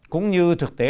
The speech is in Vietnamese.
cũng như thực tế